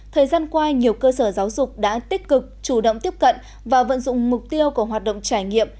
thời gian qua nhiều cơ sở giáo dục đã tích cực chủ động tiếp cận và vận dụng mục tiêu của hoạt động trải nghiệm